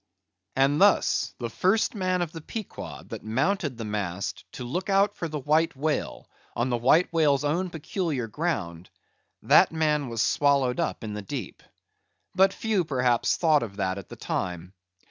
And thus the first man of the Pequod that mounted the mast to look out for the White Whale, on the White Whale's own peculiar ground; that man was swallowed up in the deep. But few, perhaps, thought of that at the time.